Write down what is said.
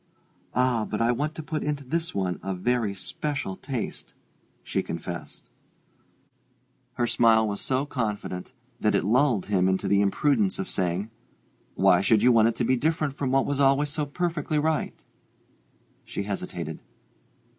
"Ah, but I want to put into this one a very special taste," she confessed. Her smile was so confident, so reassuring, that it lulled him into the imprudence of saying, "Why should you want it to be different from what was always so perfectly right?" She hesitated.